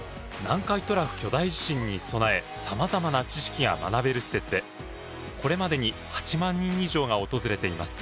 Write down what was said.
南海トラフ巨大地震に備え様々な知識が学べる施設でこれまでに８万人以上が訪れています。